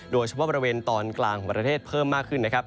โดยเฉพาะบริเวณตอนกลางของประเทศเพิ่มมากขึ้นนะครับ